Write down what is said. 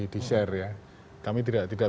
di share ya kami tidak